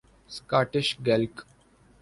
Scottish Gaelic